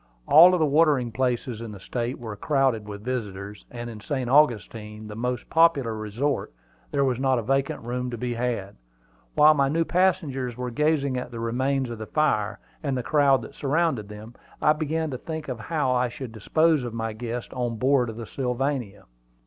All the watering places in the State were crowded with visitors, and in St. Augustine, the most popular resort, there was not a vacant room to be had. While my new passengers were gazing at the remains of the fire and the crowd that surrounded them, I began to think how I should dispose of my guests on board of the Sylvania.